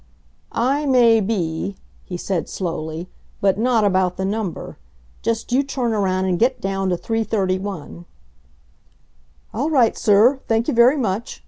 "I may be," he said slowly, "but not about the number. Just you turn around and get down to 331." "All right, sir. Thank you very much.